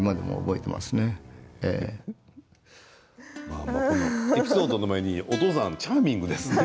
ああ、そうかエピソードの前にお父さんチャーミングですね。